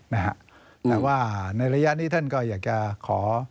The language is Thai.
นะฮะแต่ว่าในระยะนี้ท่านก็อยากจะขอ